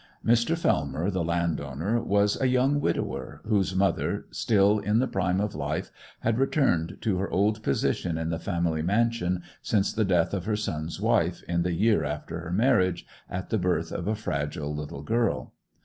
Mr. Fellmer, the landowner, was a young widower, whose mother, still in the prime of life, had returned to her old position in the family mansion since the death of her son's wife in the year after her marriage, at the birth of a fragile little girl.